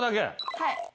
はい。